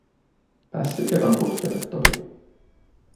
Pässikö on puskenut, Topi?